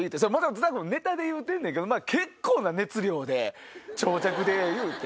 津田君ネタで言うてんねんけど結構な熱量で長尺で言うて。